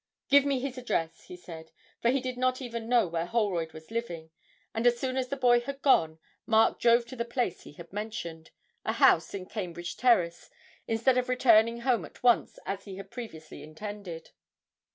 'Give me his address,' he said, for he did not even know where Holroyd was living, and as soon as the boy had gone Mark drove to the place he had mentioned, a house in Cambridge Terrace, instead of returning home at once as he had previously intended.